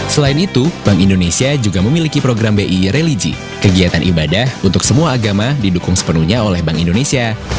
selain itu bank indonesia juga memiliki program bi religi kegiatan ibadah untuk semua agama didukung sepenuhnya oleh bank indonesia